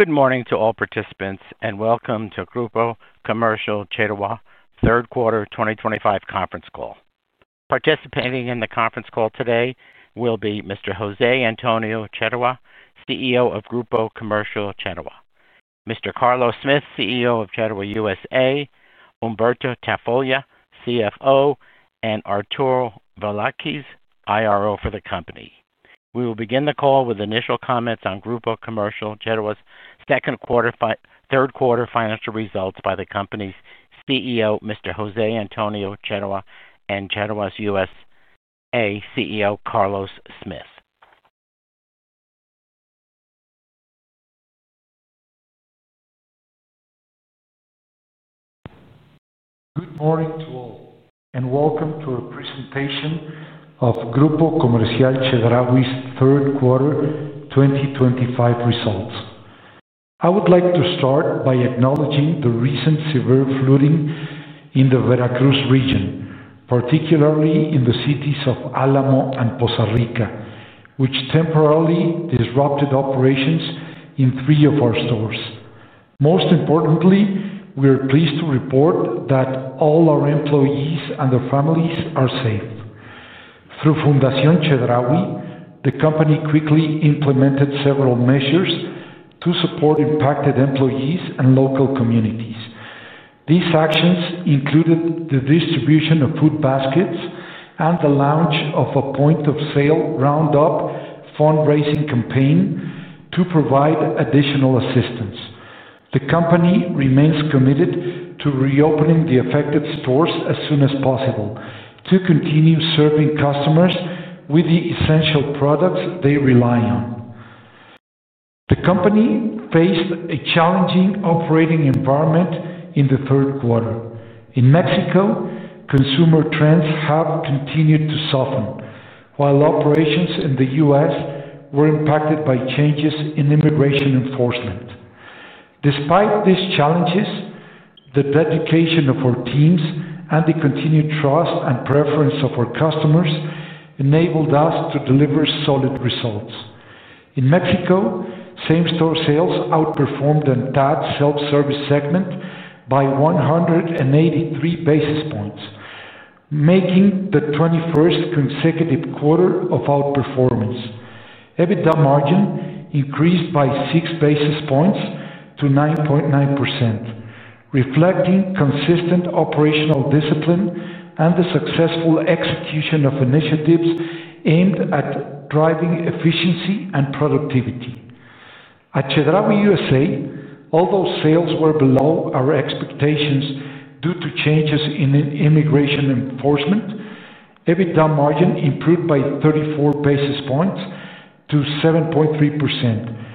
Good morning to all participants and Welcome to Grupo Comercial Chedraui Third Quarter 2025 conference call. Participating in the conference call today will be Mr. José Antonio Chedraui, CEO of Grupo Comercial Chedraui, Mr. Carlos Smith, CEO of Chedraui USA, Humberto Tafolla CFO, and Arturo Vasconcelos, IRO for the company. We will begin the call with initial comments on Grupo Comercial Chedraui's second quarter, third quarter financial results by the company's CEO, Mr. José Antonio Chedraui, and Chedraui USA CEO, Carlos Smith. Good morning to all and welcome to a presentation of Grupo Comercial Chedraui's Third Quarter 2025 results. I would like to start by acknowledging the recent severe flooding in the Veracruz region, particularly in the cities of Álamo and Poza Rica, which temporarily disrupted operations in three of our stores. Most importantly, we are pleased to report that all our employees and their families are safe. Through Fundación Chedraui, the company quickly implemented several measures to support impacted employees and local communities. These actions included the distribution of food baskets and the launch of a point-of-sale roundup fundraising campaign to provide additional assistance. The company remains committed to reopening the affected stores as soon as possible to continue serving customers with the essential products they rely on. The company faced a challenging operating environment in the third quarter. In Mexico, consumer trends have continued to soften, while operations in the U.S. were impacted by changes in immigration enforcement. Despite these challenges, the dedication of our teams and the continued trust and preference of our customers enabled us to deliver solid results. In Mexico, same-store sales outperformed the entire self-service segment by 183 basis points, making the 21st consecutive quarter of outperformance. EBITDA margin increased by 6 basis points to 9.9%, reflecting consistent operational discipline and the successful execution of initiatives aimed at driving efficiency and productivity. At Chedraui USA, although sales were below our expectations due to changes in immigration enforcement, EBITDA margin improved by 34 basis points to 7.3%,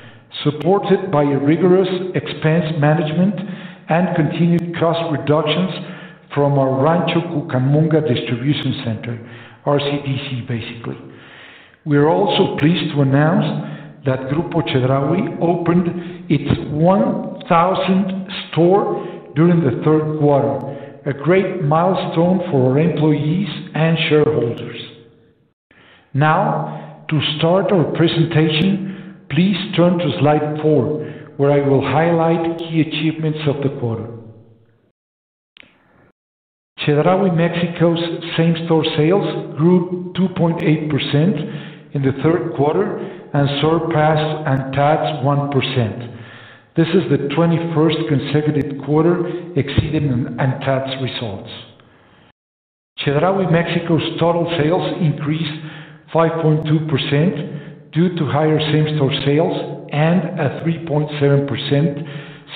supported by rigorous expense management and continued cost reductions from our Rancho Cucamonga Distribution Center, RCDC basically. We are also pleased to announce that Grupo Comercial Chedraui opened its 1,000th store during the third quarter, a great milestone for our employees and shareholders. Now, to start our presentation, please turn to slide four, where I will highlight key achievements of the quarter. Chedraui Mexico's same-store sales grew 2.8% in the third quarter and surpassed ANTAD's 1%. This is the 21st consecutive quarter exceeding ANTAD's results. Chedraui Mexico's total sales increased 5.2% due to higher same-store sales and a 3.7%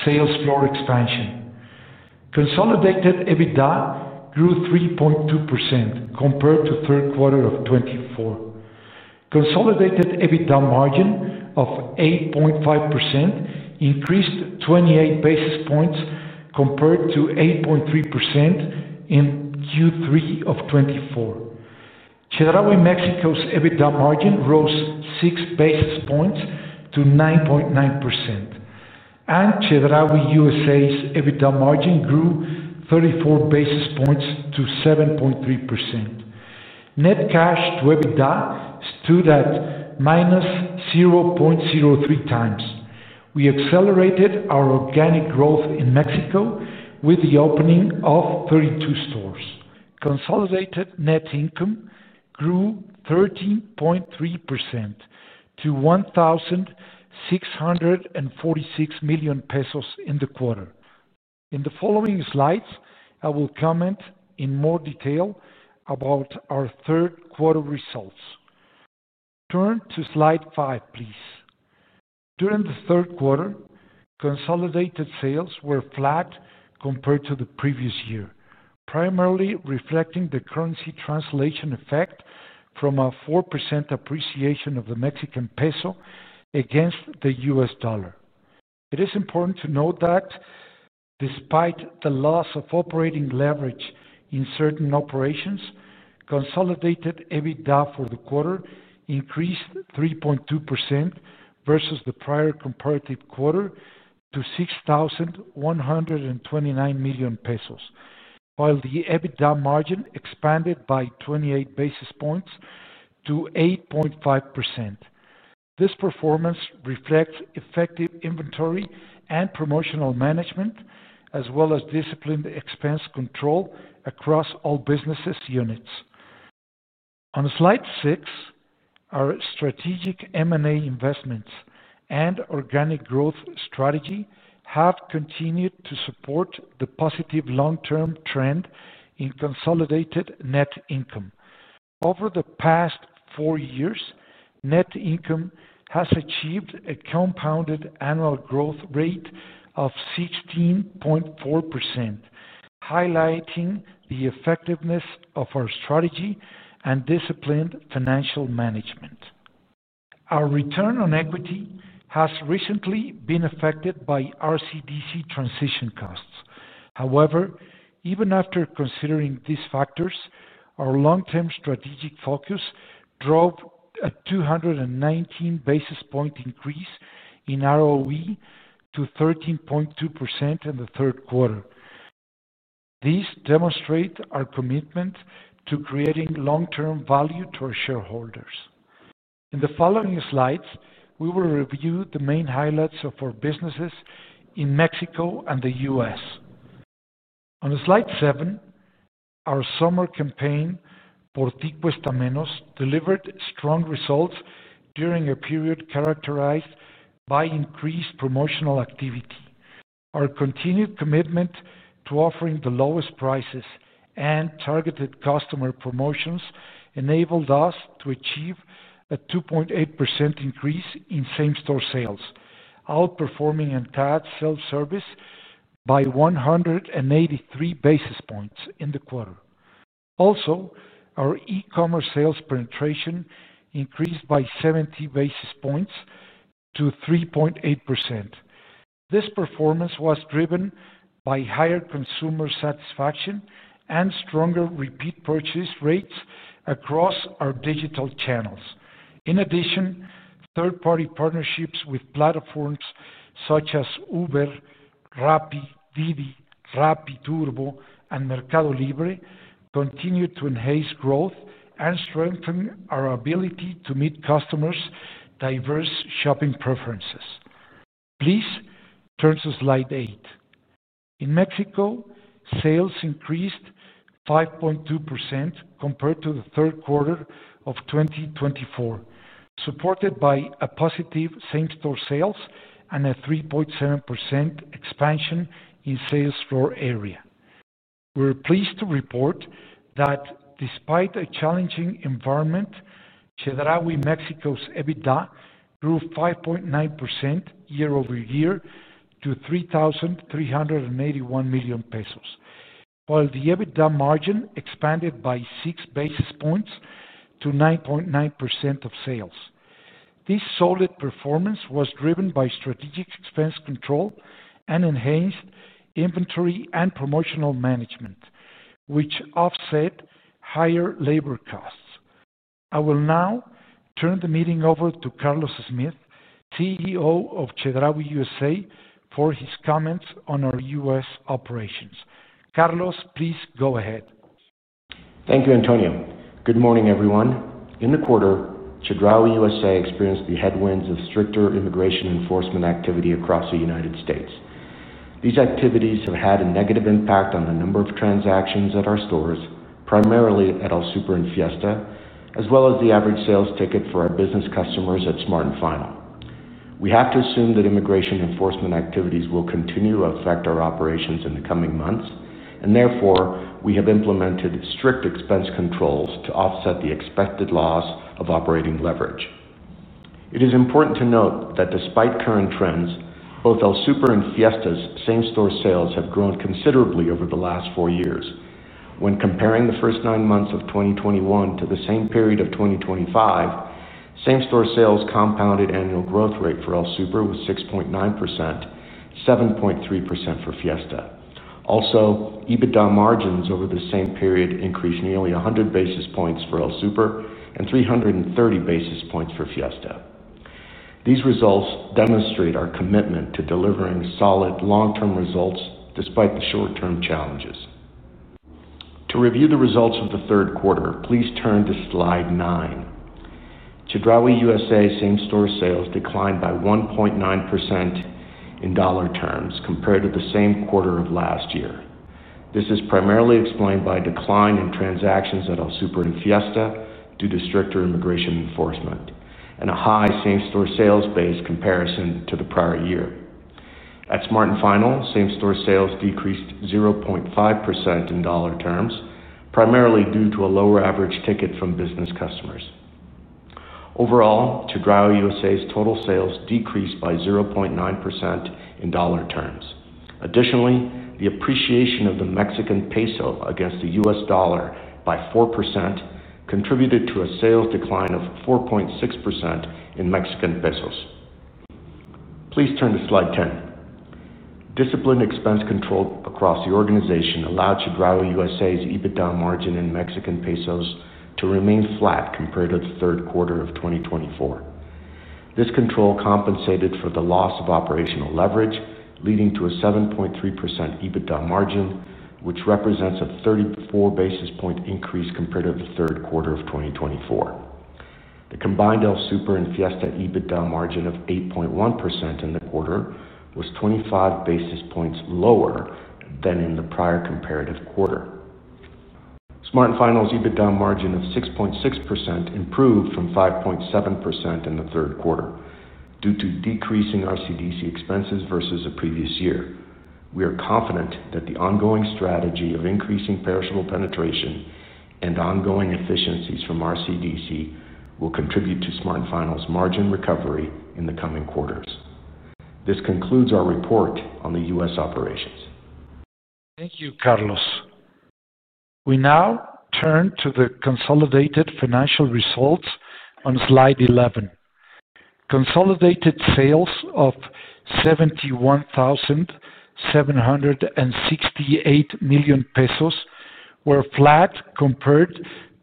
sales floor expansion. Consolidated EBITDA grew 3.2% compared to the third quarter of 2024. Consolidated EBITDA margin of 8.5% increased 28 basis points compared to 8.3% in Q3 of 2024. Chedraui Mexico's EBITDA margin rose 6 basis points to 9.9%, and Chedraui USA's EBITDA margin grew 34 basis points to 7.3%. Net cash to EBITDA stood at -0.03 times. We accelerated our organic growth in Mexico with the opening of 32 stores. Consolidated net income grew 13.3% to 1,646,000,000 pesos in the quarter. In the following slides, I will comment in more detail about our third quarter results. Turn to slide five, please. During the third quarter, consolidated sales were flat compared to the previous year, primarily reflecting the currency translation effect from a 4% appreciation of the Mexican peso against the U.S. dollar. It is important to note that despite the loss of operating leverage in certain operations, consolidated EBITDA for the quarter increased 3.2% versus the prior comparative quarter to 6,129 million pesos, while the EBITDA margin expanded by 28 basis points to 8.5%. This performance reflects effective inventory and promotional management, as well as disciplined expense control across all business units. On slide six, our strategic M&A investments and organic growth strategy have continued to support the positive long-term trend in consolidated net income. Over the past four years, net income has achieved a compounded annual growth rate of 16.4%, highlighting the effectiveness of our strategy and disciplined financial management. Our return on equity has recently been affected by RCDC transition costs. However, even after considering these factors, our long-term strategic focus drove a 219 basis point increase in ROE to 13.2% in the third quarter. These demonstrate our commitment to creating long-term value to our shareholders. In the following slides, we will review the main highlights of our businesses in Mexico and the U.S. On slide seven, our summer campaign, Por Ti Cuesta Menos, delivered strong results during a period characterized by increased promotional activity. Our continued commitment to offering the lowest prices and targeted customer promotions enabled us to achieve a 2.8% increase in same-store sales, outperforming ANTAD's self-service by 183 basis points in the quarter. Also, our e-commerce sales penetration increased by 70 basis points to 3.8%. This performance was driven by higher consumer satisfaction and stronger repeat purchase rates across our digital channels. In addition, third-party partnerships with platforms such as Uber, Rappi, Didi, Rappi Turbo, and Mercado Libre continue to enhance growth and strengthen our ability to meet customers' diverse shopping preferences. Please turn to slide eight. In Mexico, sales increased 5.2% compared to the third quarter of 2024, supported by positive same-store sales and a 3.7% expansion in sales floor area. We are pleased to report that despite a challenging environment, Chedraui Mexico's EBITDA grew 5.9% year-over-year to 3,381 million pesos, while the EBITDA margin expanded by six basis points to 9.9% of sales. This solid performance was driven by strategic expense control and enhanced inventory and promotional management, which offset higher labor costs. I will now turn the meeting over to Carlos Smith, CEO of Chedraui USA, for his comments on our U.S. operations. Carlos, please go ahead. Thank you, Antonio. Good morning, everyone. In the quarter, Chedraui USA experienced the headwinds of stricter immigration enforcement activity across the United States. These activities have had a negative impact on the number of transactions at our stores, primarily at El Super and Fiesta Mart, as well as the average sales ticket for our business customers at Smart & Final. We have to assume that immigration enforcement activities will continue to affect our operations in the coming months, and therefore we have implemented strict expense controls to offset the expected loss of operating leverage. It is important to note that despite current trends, both El Super and Fiesta Mart's same-store sales have grown considerably over the last four years. When comparing the first nine months of 2021 to the same period of 2025, same-store sales compounded annual growth rate for El Super was 6.9%, 7.3% for Fiesta Mart. Also, EBITDA margins over the same period increased nearly 100 basis points for El Super and 330 basis points for Fiesta Mart. These results demonstrate our commitment to delivering solid long-term results despite the short-term challenges. To review the results of the third quarter, please turn to slide nine. Chedraui USA same-store sales declined by 1.9% in dollar terms compared to the same quarter of last year. This is primarily explained by a decline in transactions at ElSuper and Fiesta Mart due to stricter immigration enforcement and a high same-store sales base comparison to the prior year. At Smart & Final, same-store sales decreased 0.5% in dollar terms, primarily due to a lower average ticket from business customers. Overall, Chedraui USA's total sales decreased by 0.9% in dollar terms. Additionally, the appreciation of the Mexican peso against the U.S. dollar by 4% contributed to a sales decline of 4.6% in Mexican pesos. Please turn to slide ten. Disciplined expense control across the organization allowed Chedraui USA's EBITDA margin in Mexican pesos to remain flat compared to the third quarter of 2024. This control compensated for the loss of operational leverage, leading to a 7.3% EBITDA margin, which represents a 34 basis point increase compared to the third quarter of 2024. The combined El Super and Fiesta Mart EBITDA margin of 8.1% in the quarter was 25 basis points lower than in the prior comparative quarter. Smart & Final's EBITDA margin of 6.6% improved from 5.7% in the third quarter due to decreasing RCDC expenses versus the previous year. We are confident that the ongoing strategy of increasing perishable penetration and ongoing efficiencies from RCDC will contribute to Smart & Final's margin recovery in the coming quarters. This concludes our report on the U.S. operations. Thank you, Carlos. We now turn to the consolidated financial results on slide 11. Consolidated sales of 71,768 million pesos were flat compared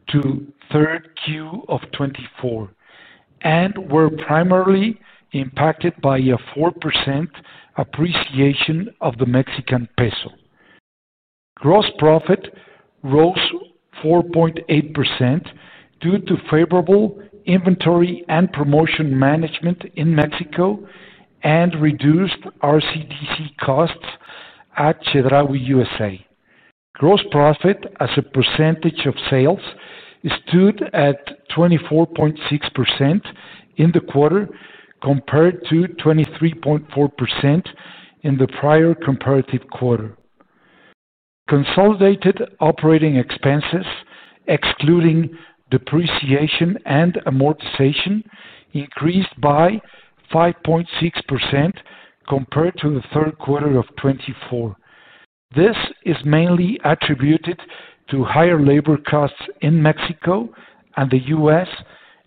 to the third quarter of 2024 and were primarily impacted by a 4% appreciation of the Mexican peso. Gross profit rose 4.8% due to favorable inventory and promotion management in Mexico and reduced RCDC costs at Chedraui USA. Gross profit as a percentage of sales stood at 24.6% in the quarter compared to 23.4% in the prior comparative quarter. Consolidated operating expenses, excluding depreciation and amortization, increased by 5.6% compared to the third quarter of 2024. This is mainly attributed to higher labor costs in Mexico and the U.S.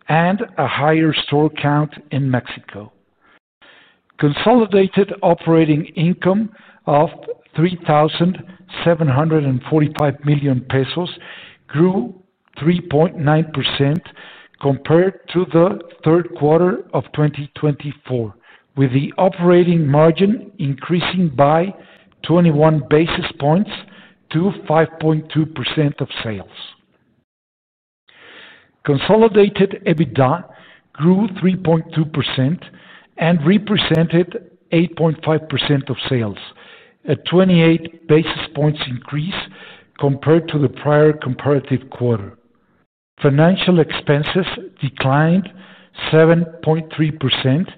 and a higher store count in Mexico. Consolidated operating income of 3,745 million pesos grew 3.9% compared to the third quarter of 2024, with the operating margin increasing by 21 basis points to 5.2% of sales. Consolidated EBITDA grew 3.2% and represented 8.5% of sales, a 28 basis points increase compared to the prior comparative quarter. Financial expenses declined 7.3%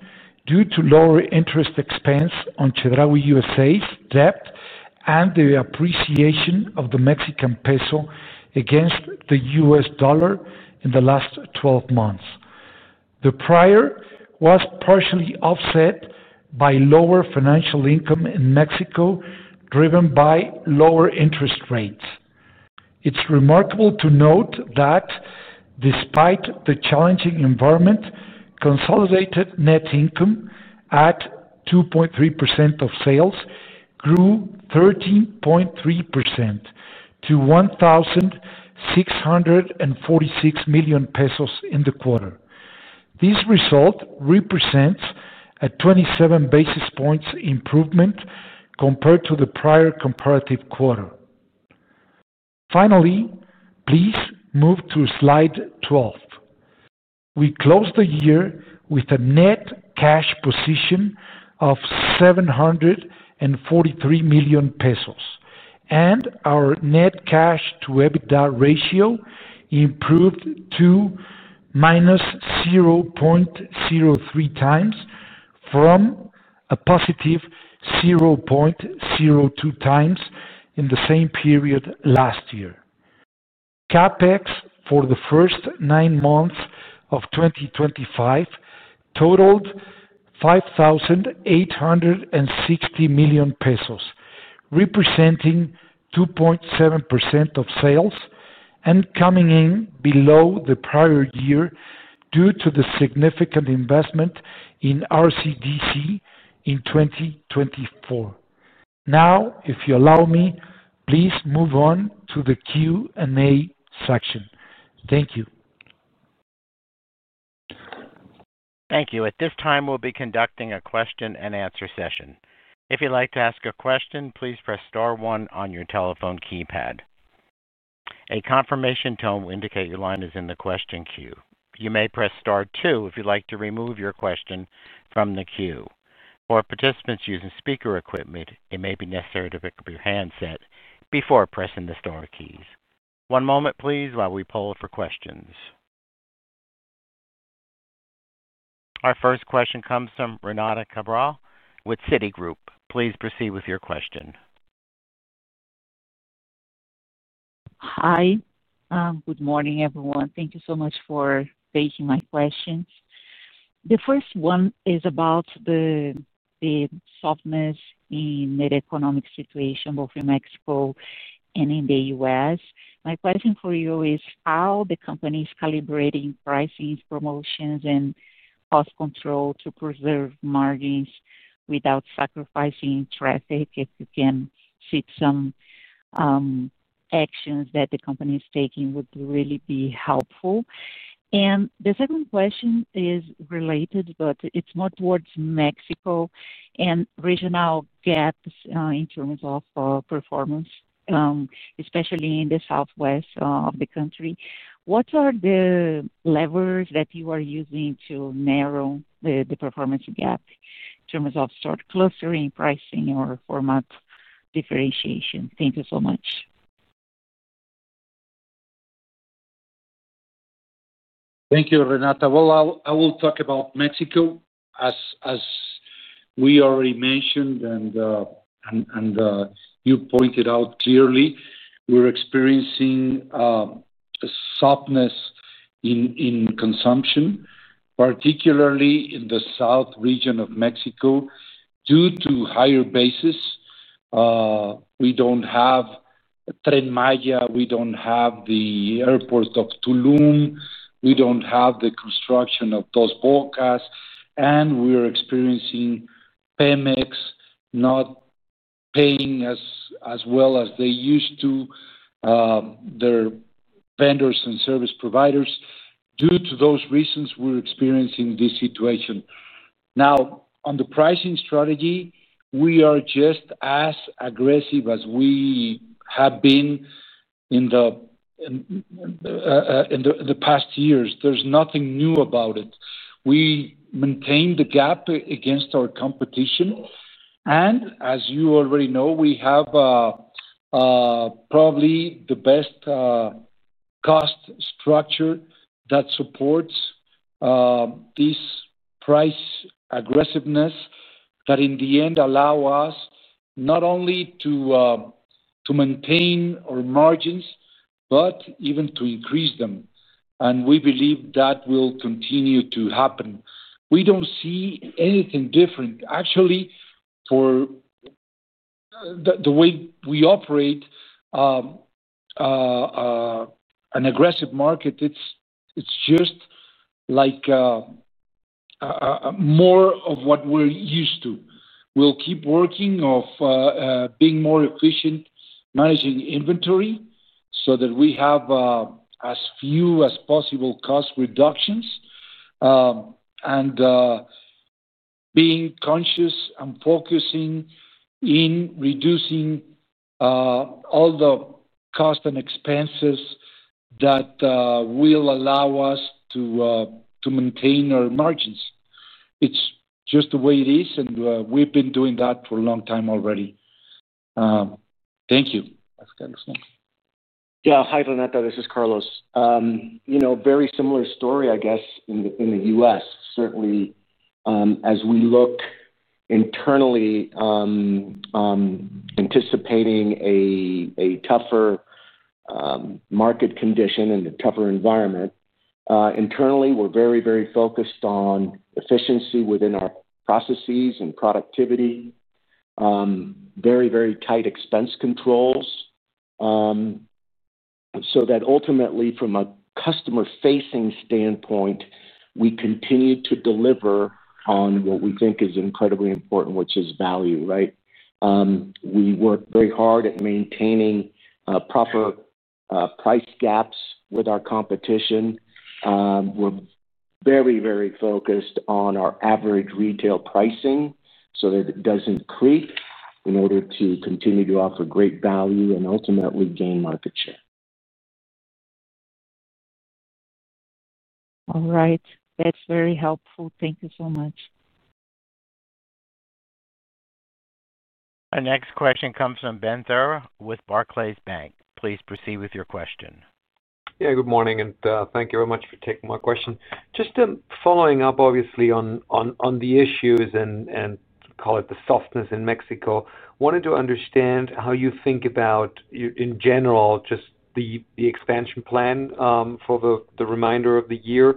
due to lower interest expense on Chedraui USA's debt and the appreciation of the Mexican peso against the U.S. dollar in the last 12 months. The prior was partially offset by lower financial income in Mexico, driven by lower interest rates. It's remarkable to note that despite the challenging environment, consolidated net income at 2.3% of sales grew 13.3% to 1,646 million pesos in the quarter. This result represents a 27 basis points improvement compared to the prior comparative quarter. Finally, please move to slide 12. We closed the year with a net cash position of 743 million pesos, and our net cash to EBITDA ratio improved to -0.03 times from a +0.02 times in the same period last year. CapEx for the first nine months of 2025 totaled $5,860 million pesos, representing 2.7% of sales and coming in below the prior year due to the significant investment in the RCDC in 2024. Now, if you allow me, please move on to the Q&A section. Thank you. Thank you. At this time, we'll be conducting a question and answer session. If you'd like to ask a question, please press star one on your telephone keypad. A confirmation tone will indicate your line is in the question queue. You may press star two if you'd like to remove your question from the queue. For participants using speaker equipment, it may be necessary to pick up your handset before pressing the star keys. One moment, please, while we poll for questions. Our first question comes from Renata Cabral with Citigroup. Please proceed with your question. Hi. Good morning, everyone. Thank you so much for taking my questions. The first one is about the softness in the economic situation both in Mexico and in the U.S. My question for you is how the company is calibrating pricing promotions and cost control to preserve margins without sacrificing traffic. If you can see some actions that the company is taking, it would really be helpful. The second question is related, but it's more towards Mexico and regional gaps in terms of performance, especially in the southwest of the country. What are the levers that you are using to narrow the performance gap in terms of clustering, pricing, or format differentiation? Thank you so much. Thank you, Renata. I will talk about Mexico. As we already mentioned, and you pointed out clearly, we're experiencing a softness in consumption, particularly in the south region of Mexico due to higher bases. We don't have Tren Maya, we don't have the airport of Tulum, we don't have the construction of Tozhuacas, and we are experiencing Pemex not paying as well as they used to, their vendors and service providers. Due to those reasons, we're experiencing this situation. On the pricing strategy, we are just as aggressive as we have been in the past years. There's nothing new about it. We maintain the gap against our competition, and as you already know, we have probably the best cost structure that supports this price aggressiveness that in the end allows us not only to maintain our margins but even to increase them. We believe that will continue to happen. We don't see anything different. Actually, for the way we operate, an aggressive market is just like more of what we're used to. We'll keep working on being more efficient managing inventory so that we have as few as possible cost reductions and being conscious and focusing in reducing all the costs and expenses that will allow us to maintain our margins. It's just the way it is, and we've been doing that for a long time already. Thank you. Yeah. Hi, Renata. This is Carlos. Very similar story, I guess, in the U.S. Certainly, as we look internally anticipating a tougher market condition and a tougher environment, internally, we're very, very focused on efficiency within our processes and productivity, very, very tight expense controls so that ultimately, from a customer-facing standpoint, we continue to deliver on what we think is incredibly important, which is value, right? We work very hard at maintaining proper price gaps with our competition. We're very, very focused on our average retail pricing so that it doesn't creep in order to continue to offer great value and ultimately gain market share. All right. That's very helpful. Thank you so much. Our next question comes from Ben Theurer with Barclays Bank. Please proceed with your question. Good morning, and thank you very much for taking my question. Just following up, obviously, on the issues and call it the softness in Mexico, I wanted to understand how you think about, in general, just the expansion plan for the remainder of the year.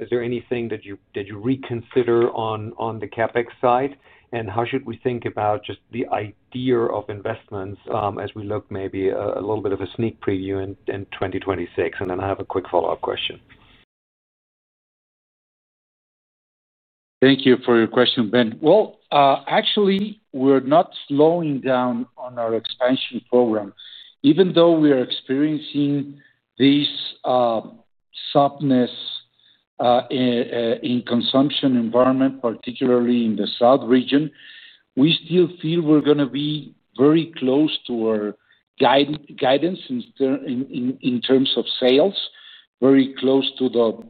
Is there anything that you reconsider on the CapEx side? How should we think about just the idea of investments as we look maybe a little bit of a sneak preview in 2026? I have a quick follow-up question. Thank you for your question, Ben. Actually, we're not slowing down on our expansion program. Even though we are experiencing this softness in the consumption environment, particularly in the south region, we still feel we're going to be very close to our guidance in terms of sales, very close to the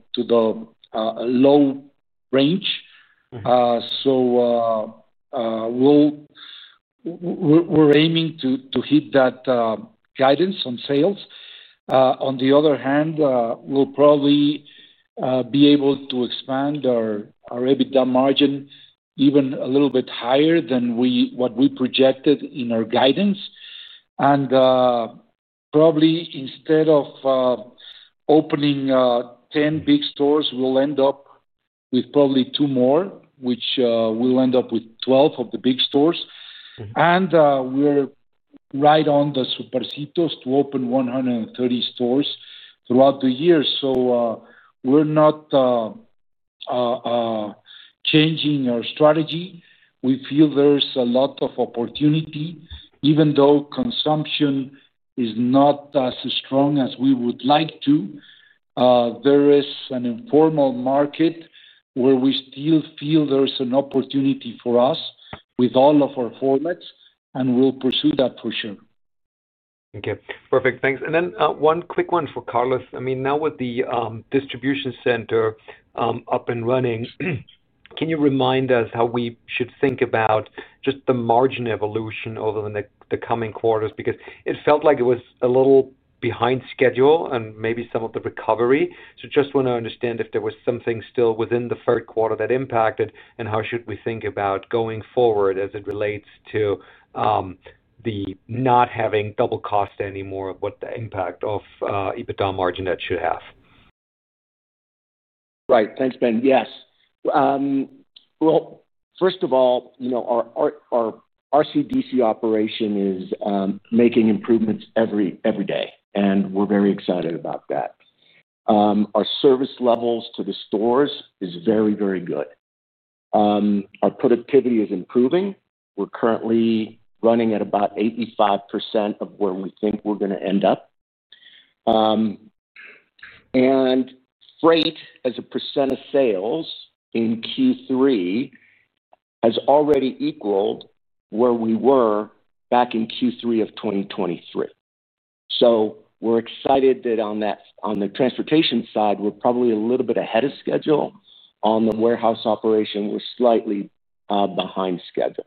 low range. We're aiming to hit that guidance on sales. On the other hand, we'll probably be able to expand our EBITDA margin even a little bit higher than what we projected in our guidance. Probably, instead of opening 10 big stores, we'll end up with probably 2 more, which means we'll end up with 12 of the big stores. We're right on the Supercitos to open 130 stores throughout the year. We're not changing our strategy. We feel there's a lot of opportunity. Even though consumption is not as strong as we would like to, there is an informal market where we still feel there is an opportunity for us with all of our formats, and we'll pursue that for sure. Okay. Perfect. Thanks. One quick one for Carlos. I mean, now with the distribution center up and running, can you remind us how we should think about just the margin evolution over the coming quarters? It felt like it was a little behind schedule and maybe some of the recovery. I just want to understand if there was something still within the third quarter that impacted, and how should we think about going forward as it relates to not having double cost anymore of what the impact of EBITDA margin that should have. Right. Thanks, Ben. First of all, you know our RCDC operation is making improvements every day, and we're very excited about that. Our service levels to the stores are very, very good. Our productivity is improving. We're currently running at about 85% of where we think we're going to end up. Freight as a percent of sales in Q3 has already equaled where we were back in Q3 of 2023. We're excited that on the transportation side, we're probably a little bit ahead of schedule. On the warehouse operation, we're slightly behind schedule.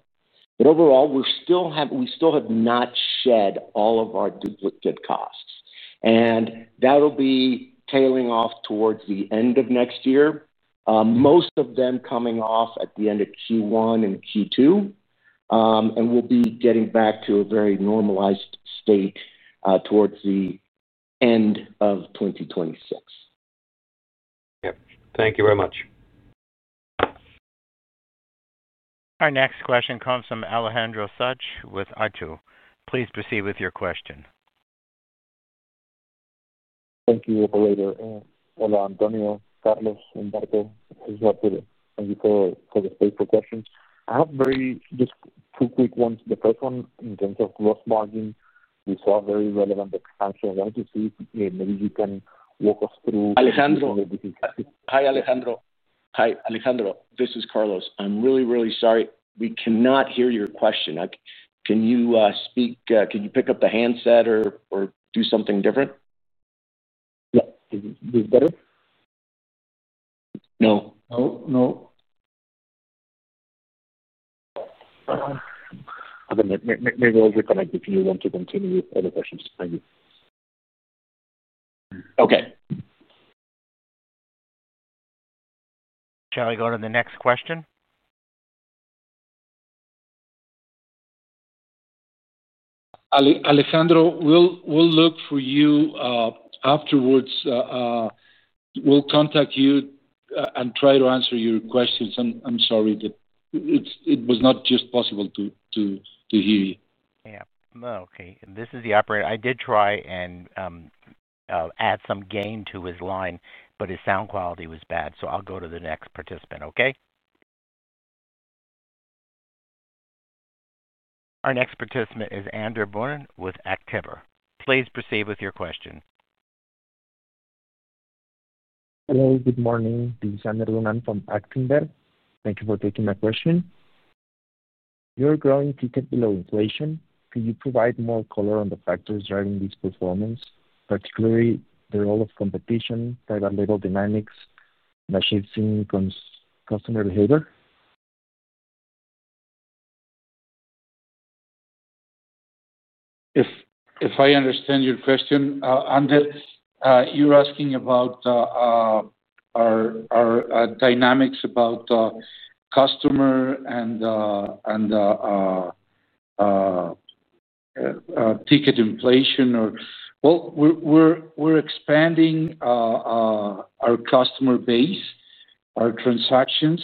Overall, we still have not shed all of our duplicate costs. That'll be tailing off towards the end of next year, most of them coming off at the end of Q1 and Q2. We'll be getting back to a very normalized state towards the end of 2026. Thank you very much. Our next question comes from Alejandro Fuchs with Itaú. Please proceed with your question. Thank you, Operator. Hello, José Antonio, Carlos, Humberto, this is Arturo. Thank you for the space for questions. I have just two quick ones. The first one, in terms of gross margin, we saw a very relevant expansion. I wanted to see if maybe you can walk us through. Hi, Alejandro. This is Carlos. I'm really, really sorry. We cannot hear your question. Can you speak? Can you pick up the handset or do something different? Yeah, is this better? No. No, no. Okay. Maybe I'll reconnect if you want to continue with other questions. Thank you. Okay. Shall we go to the next question? Alejandro, we'll look for you afterwards. We'll contact you and try to answer your questions. I'm sorry that it was not possible to hear you. Okay. This is the Operator. I did try and add some gain to his line, but his sound quality was bad. I'll go to the next participant, okay? Our next participant is Andrew Burn with Actinver. Please proceed with your question. Hello. Good morning. This is Andrew Burn from Actinver. Thank you for taking my question. You're growing tickets below inflation. Can you provide more color on the factors driving this performance, particularly the role of competition, private label dynamics, and the shifting customer behavior? If I understand your question, Andrew, you're asking about our dynamics about customer and ticket inflation or, we're expanding our customer base, our transactions,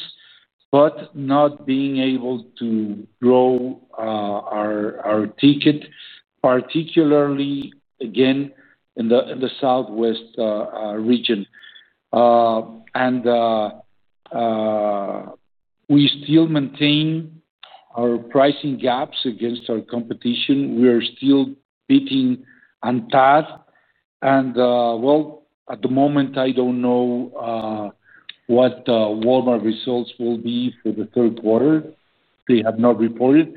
but not being able to grow our ticket, particularly, again, in the southwest region. We still maintain our pricing gaps against our competition. We are still beating ANTAD. At the moment, I don't know what Walmart results will be for the third quarter. They have not reported.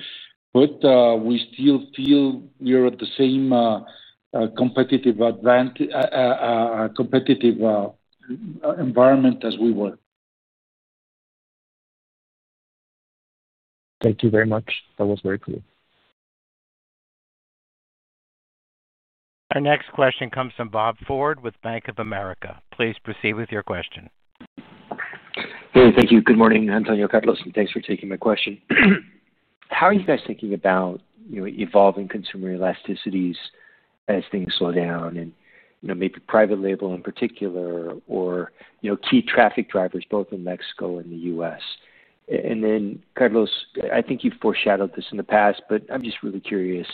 We still feel we are at the same competitive environment as we were. Thank you very much. That was very clear. Our next question comes from Bob Ford with Bank of America. Please proceed with your question. Yeah. Thank you. Good morning, José Antonio, Carlos, and thanks for taking my question. How are you guys thinking about evolving consumer elasticities as things slow down, and maybe private label in particular, or key traffic drivers both in Mexico and the U.S.? Carlos, I think you've foreshadowed this in the past, but I'm just really curious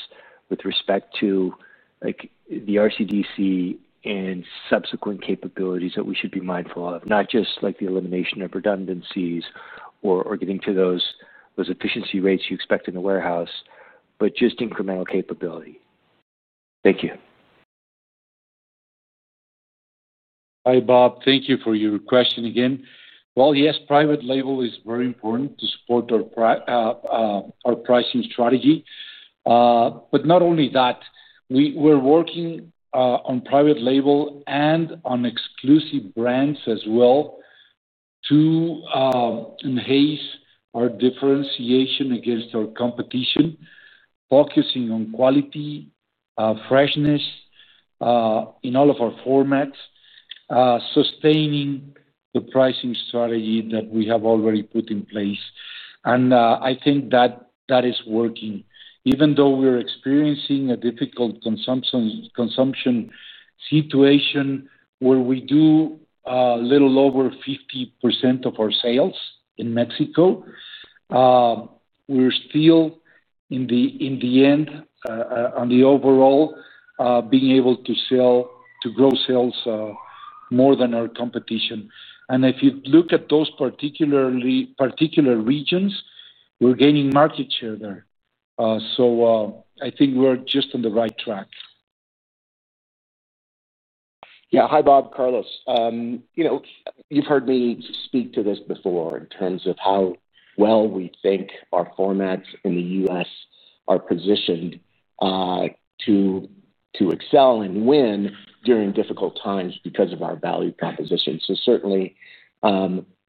with respect to the RCDC and subsequent capabilities that we should be mindful of, not just like the elimination of redundancies or getting to those efficiency rates you expect in the warehouse, but just incremental capability. Thank you. Hi, Bob. Thank you for your question again. Private label is very important to support our pricing strategy. Not only that, we're working on private label and on exclusive brands as well to enhance our differentiation against our competition, focusing on quality and freshness in all of our formats, sustaining the pricing strategy that we have already put in place. I think that that is working. Even though we're experiencing a difficult consumption situation where we do a little over 50% of our sales in Mexico, we're still, in the end, on the overall being able to grow sales more than our competition. If you look at those particular regions, we're gaining market share there. I think we're just on the right track. Yeah. Hi, Bob. Carlos. You've heard me speak to this before in terms of how well we think our formats in the U.S. are positioned to excel and win during difficult times because of our value proposition. Certainly,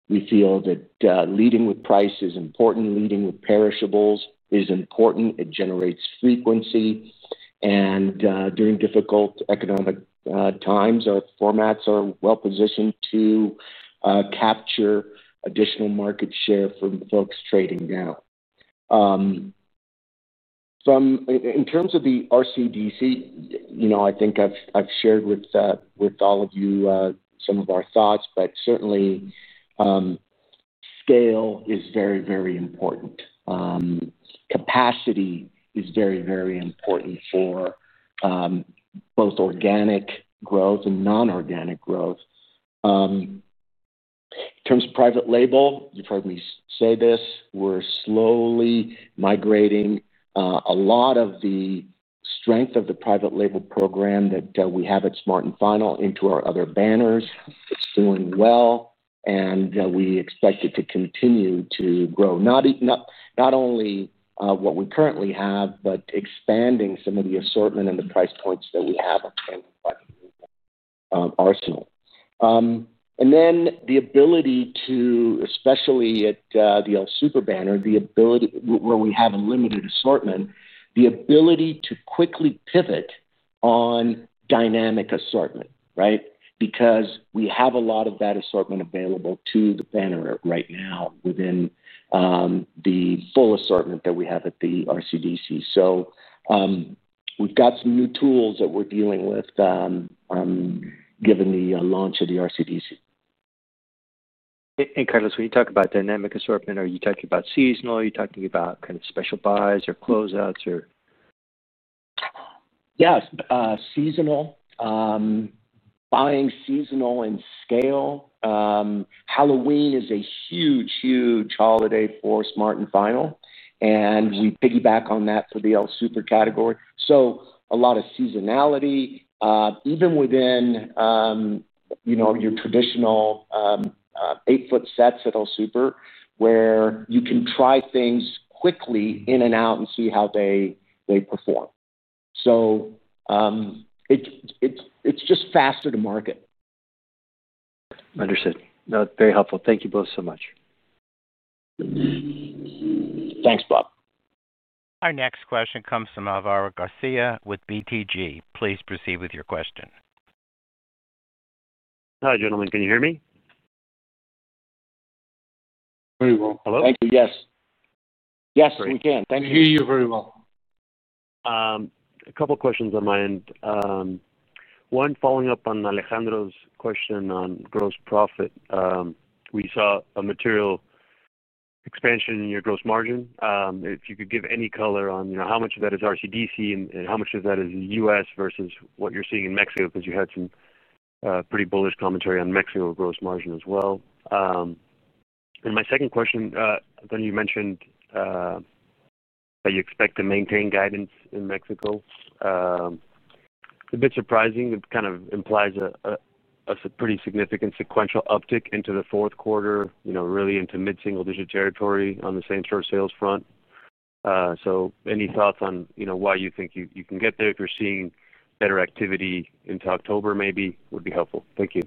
we feel that leading with price is important. Leading with perishables is important. It generates frequency. During difficult economic times, our formats are well positioned to capture additional market share from folks trading now. In terms of the RCDC, I think I've shared with all of you some of our thoughts, but certainly, scale is very, very important. Capacity is very, very important for both organic growth and inorganic growth. In terms of private label, you've heard me say this, we're slowly migrating a lot of the strength of the private label program that we have at Smart & Final into our other banners. It's doing well, and we expect it to continue to grow, not only what we currently have, but expanding some of the assortment and the price points that we have on the arsenal. The ability to, especially at the El Super banner, the ability where we have a limited assortment, the ability to quickly pivot on dynamic assortment, right? We have a lot of that assortment available to the banner right now within the full assortment that we have at the RCDC. We've got some new tools that we're dealing with given the launch of the RCDC. Carlos, when you talk about dynamic assortment, are you talking about seasonal? Are you talking about kind of special buys or closeouts? Yes. Seasonal. Buying seasonal and scale. Halloween is a huge, huge holiday for Smart & Final, and we piggyback on that for the El Super category. A lot of seasonality, even within your traditional eight-foot sets at El Super, where you can try things quickly in and out and see how they perform. It's just faster to market. Understood. No, it's very helpful. Thank you both so much. Thanks, Bob. Our next question comes from Álvaro García with BTG. Please proceed with your question. Hi, gentlemen. Can you hear me? Very well. Hello? Thank you. Yes, we can. Thank you. I hear you very well. A couple of questions on my end. One, following up on Alejandro's question on gross profit. We saw a material expansion in your gross margin. If you could give any color on how much of that is RCDC and how much of that is the U.S. versus what you're seeing in Mexico because you had some pretty bullish commentary on Mexico gross margin as well. My second question, you mentioned that you expect to maintain guidance in Mexico. It's a bit surprising. It kind of implies a pretty significant sequential uptick into the fourth quarter, really into mid-single-digit territory on the same-store sales front. Any thoughts on why you think you can get there if you're seeing better activity into October maybe would be helpful. Thank you.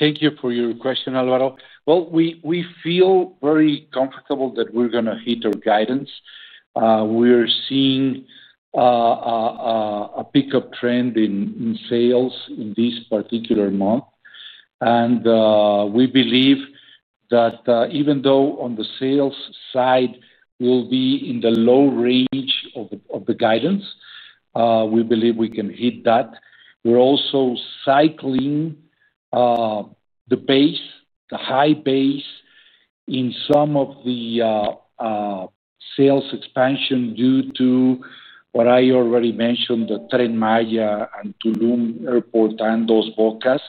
Thank you for your question, Álvaro. We feel very comfortable that we're going to hit our guidance. We're seeing a pickup trend in sales in this particular month, and we believe that even though on the sales side, we'll be in the low range of the guidance, we believe we can hit that. We're also cycling the base, the high base in some of the sales expansion due to what I already mentioned, the Tren Maya and Tulum Airport and Tozhuacas.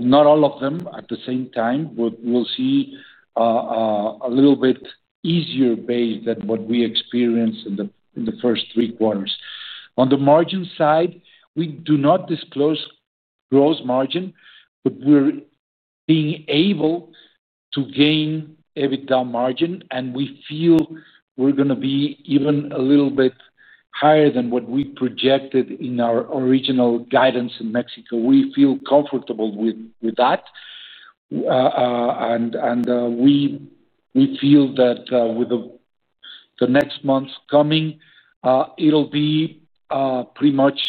Not all of them at the same time, but we'll see a little bit easier base than what we experienced in the first three quarters. On the margin side, we do not disclose gross margin, but we're being able to gain EBITDA margin, and we feel we're going to be even a little bit higher than what we projected in our original guidance in Mexico. We feel comfortable with that, and we feel that with the next months coming, it'll be pretty much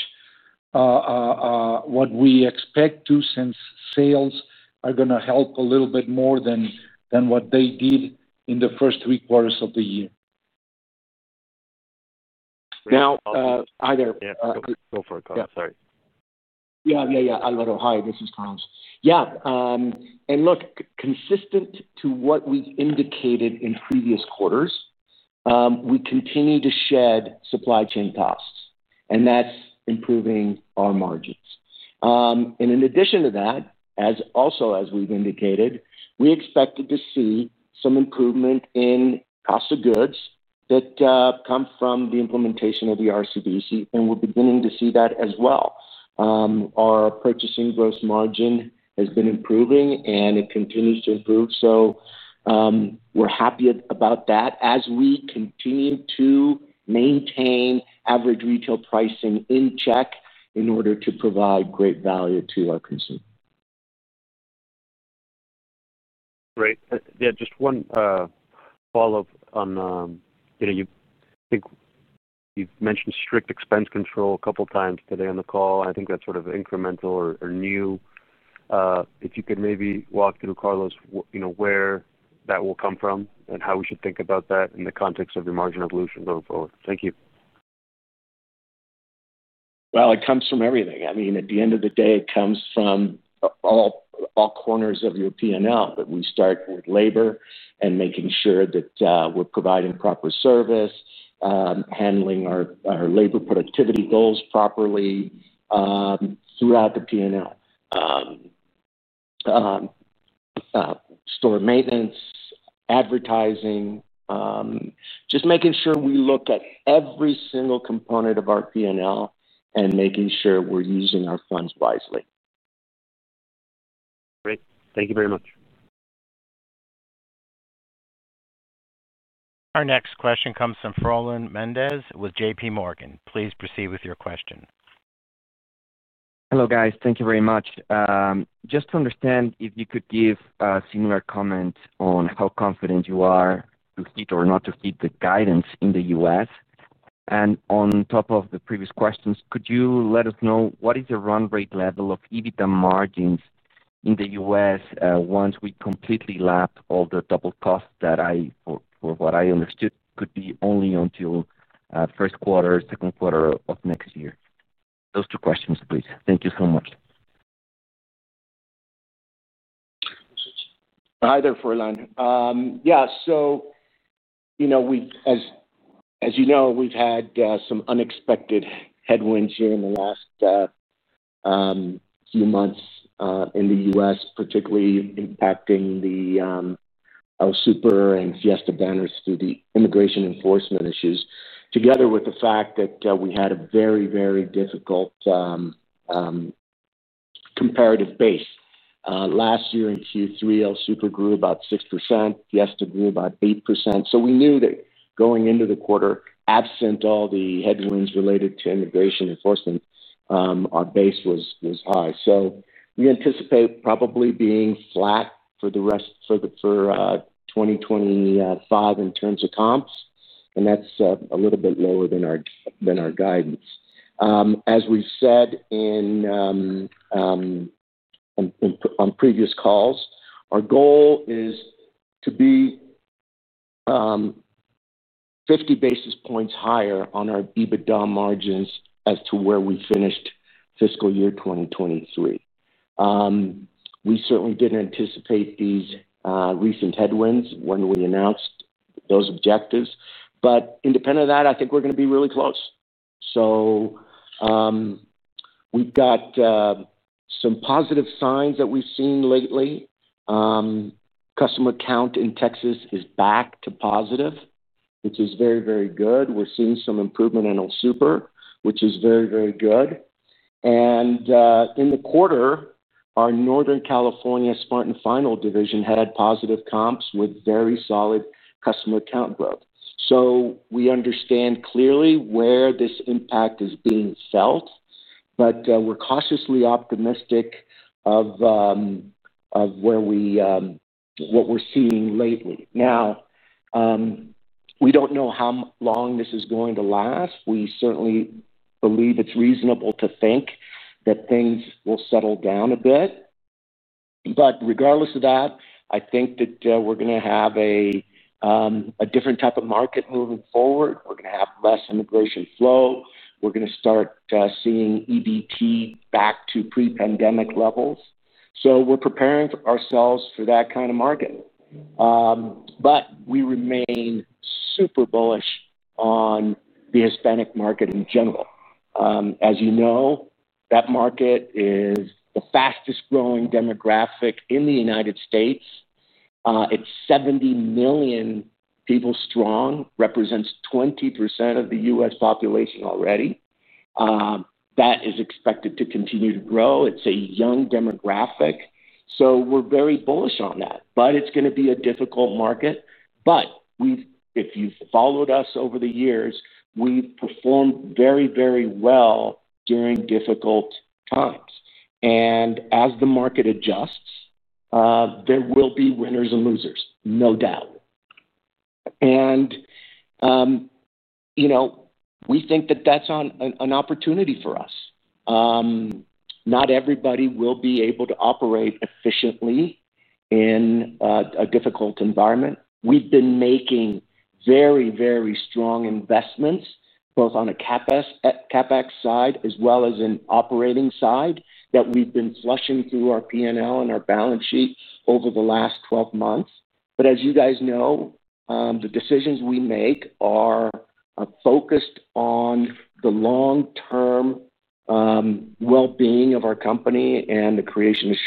what we expect to since sales are going to help a little bit more than what they did in the first three quarters of the year. Hi. This is Carlos. Yeah. Consistent to what we indicated in previous quarters, we continue to shed supply chain costs, and that's improving our margins. In addition to that, also as we've indicated, we expected to see some improvement in cost of goods that come from the implementation of the RCDC, and we're beginning to see that as well. Our purchasing gross margin has been improving, and it continues to improve. We're happy about that as we continue to maintain average retail pricing in check in order to provide great value to our consumer. Great. Yeah. Just one follow-up on, you've mentioned strict expense control a couple of times today on the call. I think that's sort of incremental or new. If you could maybe walk through, Carlos, you know where that will come from and how we should think about that in the context of your margin evolution going forward. Thank you. It comes from everything. I mean, at the end of the day, it comes from all corners of your P&L, but we start with labor and making sure that we're providing proper service, handling our labor productivity goals properly throughout the P&L, store maintenance, advertising, just making sure we look at every single component of our P&L and making sure we're using our funds wisely. Great. Thank you very much. Our next question comes from Froylan Mendez with JPMorgan. Please proceed with your question. Hello, guys. Thank you very much. Just to understand if you could give a similar comment on how confident you are to hit or not to hit the guidance in the U.S. On top of the previous questions, could you let us know what is the run rate level of EBITDA margins in the U.S. once we completely lap all the double costs that I, for what I understood, could be only until first quarter, second quarter of next year? Those two questions, please. Thank you so much. Hi there, Froylan. As you know, we've had some unexpected headwinds here in the last few months in the U.S., particularly impacting the El Super and Fiesta Mart banners through the immigration enforcement issues, together with the fact that we had a very, very difficult comparative base. Last year in Q3, El Super grew about 6%, Fiesta Mart grew about 8%. We knew that going into the quarter, absent all the headwinds related to immigration enforcement, our base was high. We anticipate probably being flat for the rest of 2025 in terms of comps, and that's a little bit lower than our guidance. As we've said on previous calls, our goal is to be 50 basis points higher on our EBITDA margins as to where we finished fiscal year 2023. We certainly didn't anticipate these recent headwinds when we announced those objectives. Independent of that, I think we're going to be really close. We've got some positive signs that we've seen lately. Customer count in Texas is back to positive, which is very, very good. We're seeing some improvement in El Super, which is very, very good. In the quarter, our Northern California Smart & Final division had positive comps with very solid customer count growth. We understand clearly where this impact is being felt, but we're cautiously optimistic of what we're seeing lately. We don't know how long this is going to last. We certainly believe it's reasonable to think that things will settle down a bit. Regardless of that, I think that we're going to have a different type of market moving forward. We're going to have less immigration flow. We're going to start seeing EBT back to pre-pandemic levels. We're preparing ourselves for that kind of market. We remain super bullish on the Hispanic market in general. As you know, that market is the fastest growing demographic in the United States. It's 70 million people strong, represents 20% of the U.S. population already. That is expected to continue to grow. It's a young demographic. We're very bullish on that. It's going to be a difficult market. If you've followed us over the years, we've performed very, very well during difficult times. As the market adjusts, there will be winners and losers, no doubt. We think that that's an opportunity for us. Not everybody will be able to operate efficiently in a difficult environment. We've been making very, very strong investments both on a CapEx side as well as an operating side that we've been flushing through our P&L and our balance sheet over the last 12 months. As you guys know, the decisions we make are focused on the long-term well-being of our company and the creation of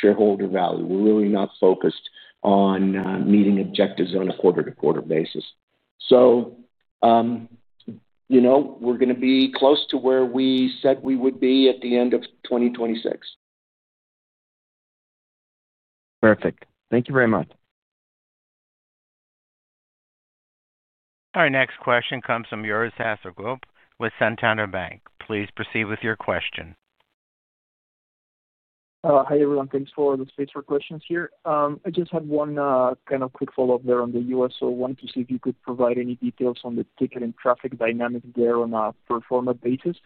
shareholder value. We're really not focused on meeting objectives on a quarter-to-quarter basis. We're going to be close to where we said we would be at the end of 2026. Perfect. Thank you very much. Our next question comes from Joris Hasselgroup with Santander Bank. Please proceed with your question. Hi, everyone. Thanks for the space for questions here. I just had one kind of quick follow-up there on the U.S. I wanted to see if you could provide any details on the ticket and traffic dynamics there on a per-format basis.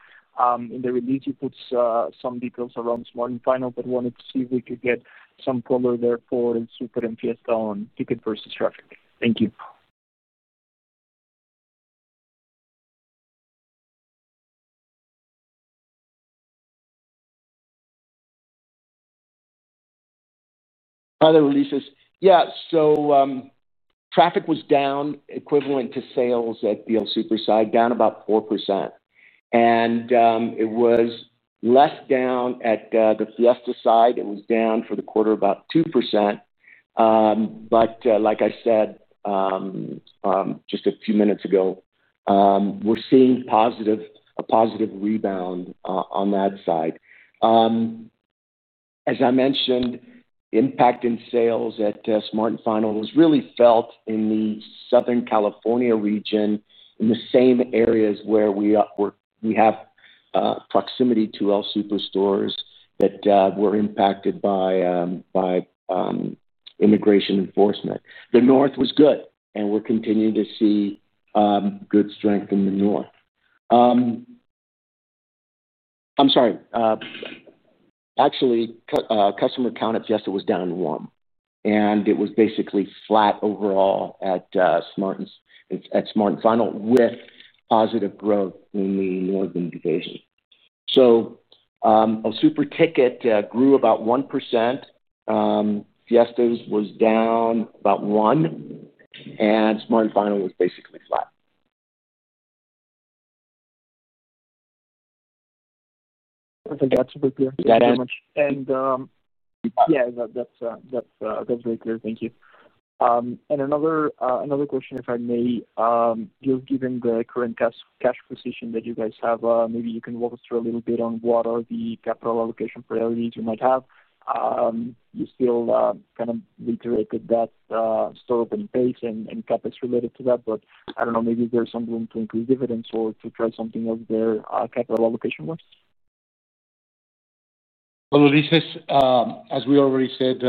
In the release, you put some details around Smart & Final, but I wanted to see if we could get some color there for El Super and Fiesta Mart on ticket versus traffic. Thank you. Hi, the releases. Yeah. Traffic was down equivalent to sales at the El Super side, down about 4%. It was less down at the Fiesta Mart side. It was down for the quarter about 2%. Like I said just a few minutes ago, we're seeing a positive rebound on that side. As I mentioned, the impact in sales at Smart & Final was really felt in the Southern California region, in the same areas where we have proximity to El Super stores that were impacted by immigration enforcement. The north was good, and we're continuing to see good strength in the north. I'm sorry. Actually, customer count at Fiesta Mart was down to one. It was basically flat overall at Smart & Final with positive growth in the northern division. El Super ticket grew about 1%. Fiesta Mart's was down about 1%. Smart & Final was basically flat. I think that's very clear. Yeah, that's very clear. Thank you. Another question, if I may, just given the current cash position that you guys have, maybe you can walk us through a little bit on what are the capital allocation priorities you might have. You still kind of reiterated that store opening base and CapEx related to that, but I don't know, maybe there's some room to increase dividends or to try something else there, capital allocation-wise. As we already said,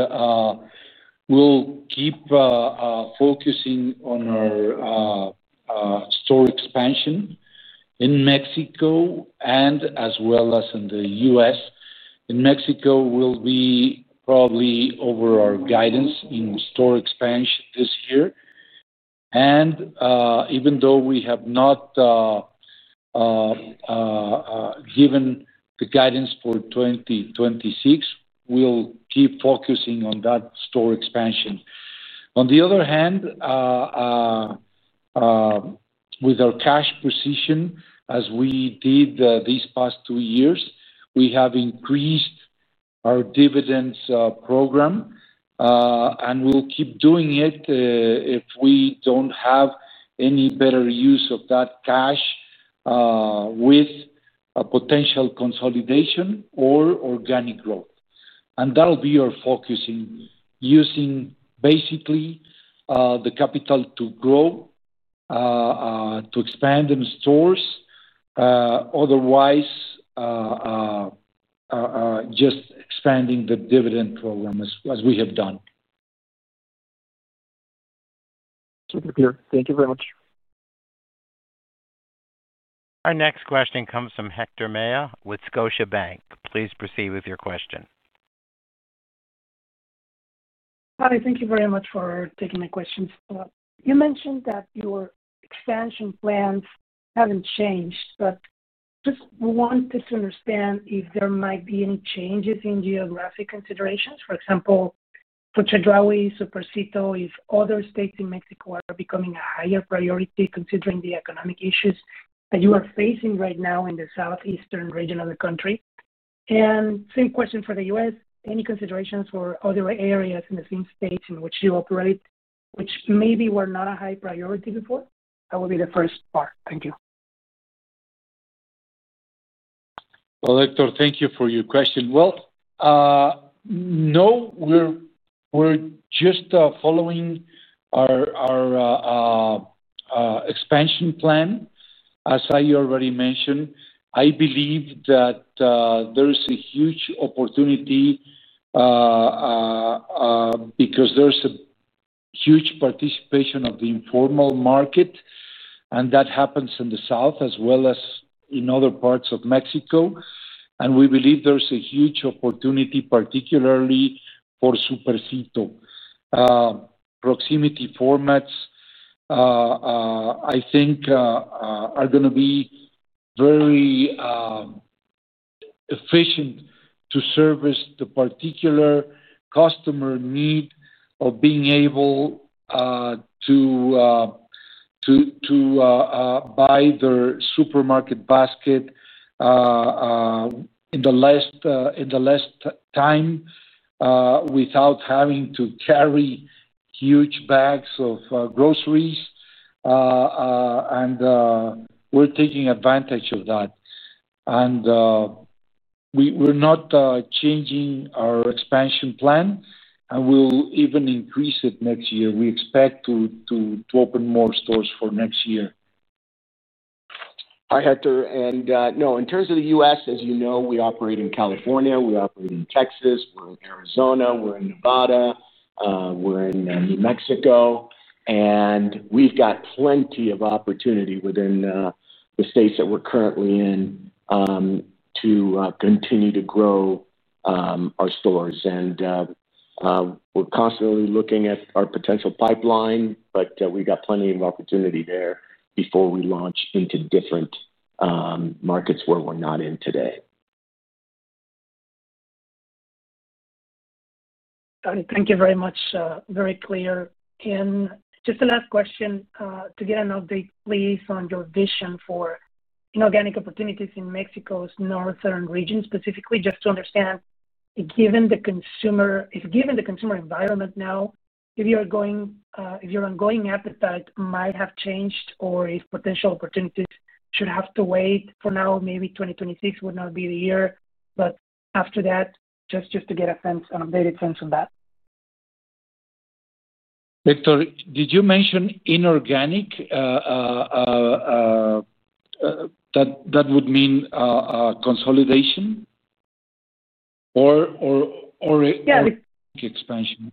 we'll keep focusing on our store expansion in Mexico as well as in the U.S. In Mexico, we'll be probably over our guidance in store expansion this year. Even though we have not given the guidance for 2026, we'll keep focusing on that store expansion. On the other hand, with our cash position, as we did these past two years, we have increased our dividends program, and we'll keep doing it if we don't have any better use of that cash with a potential consolidation or organic growth. That'll be our focus in using basically the capital to grow, to expand in stores. Otherwise, just expanding the dividend program as we have done. Super clear. Thank you very much. Our next question comes from Héctor Maya with Scotiabank. Please proceed with your question. Hi. Thank you very much for taking my questions. You mentioned that your expansion plans haven't changed, but just wanted to understand if there might be any changes in geographic considerations. For example, for Chedraui, Supercito, if other states in Mexico are becoming a higher priority considering the economic issues that you are facing right now in the southeastern region of the country. The same question for the U.S. Any considerations for other areas in the same states in which you operate, which maybe were not a high priority before? That would be the first part. Thank you. Thank you for your question. No, we're just following our expansion plan. As I already mentioned, I believe that there is a huge opportunity because there's a huge participation of the informal market, and that happens in the south as well as in other parts of Mexico. We believe there's a huge opportunity, particularly for Supercito. Proximity formats, I think, are going to be very efficient to service the particular customer need of being able to buy their supermarket basket in the last time without having to carry huge bags of groceries. We're taking advantage of that. We're not changing our expansion plan, and we'll even increase it next year. We expect to open more stores for next year. Hi, Héctor. No, in terms of the U.S., as you know, we operate in California, Texas, Arizona, Nevada, and New Mexico. We've got plenty of opportunity within the states that we're currently in to continue to grow our stores. We're constantly looking at our potential pipeline, but we've got plenty of opportunity there before we launch into different markets where we're not in today. Thank you very much. Very clear. Just the last question, to get an update, please, on your vision for inorganic opportunities in Mexico's northern region specifically, just to understand if given the consumer environment now, if your ongoing appetite might have changed or if potential opportunities should have to wait for now. Maybe 2026 would not be the year, but after that, just to get a sense of an updated sense on that. Héctor, did you mention inorganic? That would mean consolidation or expansion?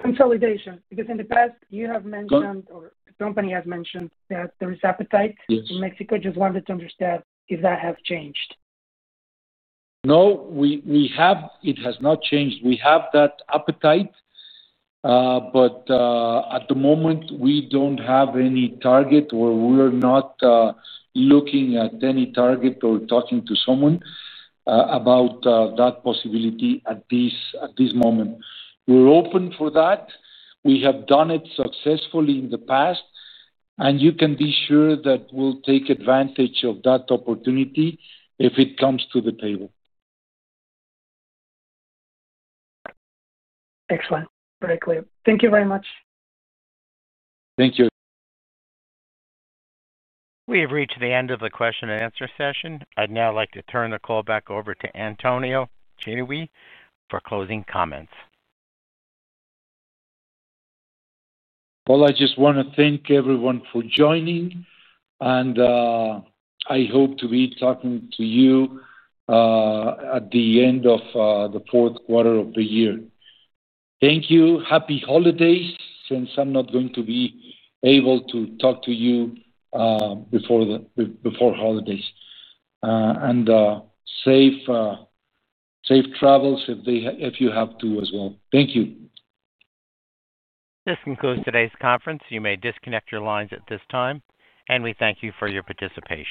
Consolidation. In the past, you have mentioned or the company has mentioned that there is appetite in Mexico. I just wanted to understand if that has changed. No, we have. It has not changed. We have that appetite, but at the moment, we don't have any target or we're not looking at any target or talking to someone about that possibility at this moment. We're open for that. We have done it successfully in the past, and you can be sure that we'll take advantage of that opportunity if it comes to the table. Excellent. Very clear. Thank you very much. Thank you. We have reached the end of the question and answer session. I'd now like to turn the call back over to José Antonio Chedraui for closing comments. I just want to thank everyone for joining, and I hope to be talking to you at the end of the fourth quarter of the year. Thank you. Happy holidays since I'm not going to be able to talk to you before the holidays, and safe travels if you have to as well. Thank you. This concludes today's conference. You may disconnect your lines at this time. We thank you for your participation.